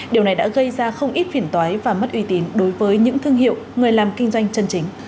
điều này đã gây ra không ít phiền toái và mất uy tín đối với những thương hiệu người làm kinh doanh chân chính